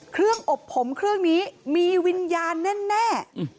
เครื่องอบผมเครื่องนี้มีวิญญาณแน่